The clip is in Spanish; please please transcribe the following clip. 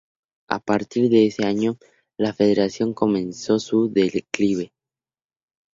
A partir de ese año, la Federación comenzó su declive.